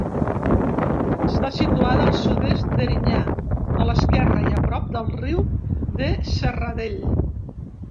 Està situada al sud-est d'Erinyà, a l'esquerra i a prop del riu de Serradell.